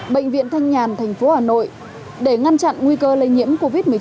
bệnh viện thanh nhàn thành phố hà nội để ngăn chặn nguy cơ lây nhiễm covid một mươi chín